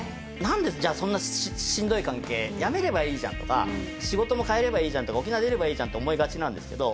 じゃあそんなしんどい関係やめればいいじゃんとか仕事も変えればいいじゃんとか沖縄出ればいいじゃんって思いがちなんですけど